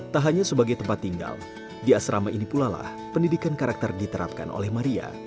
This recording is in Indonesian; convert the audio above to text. tak hanya sebagai tempat tinggal di asrama ini pula lah pendidikan karakter diterapkan oleh maria